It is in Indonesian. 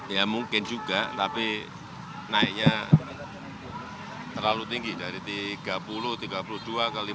ya mungkin juga tapi naiknya terlalu tinggi dari rp tiga puluh rp tiga puluh dua ke rp lima puluh itu tinggi banget